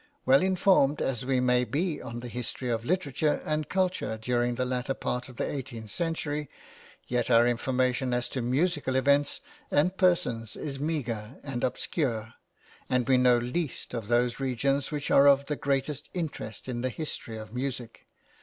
Well informed as we may be on the history of literature and culture during the latter half of the eighteenth century, yet our information as to musical events and persons is meagre and obscure, and we know least of those regions which are of the greatest interest in the history of music.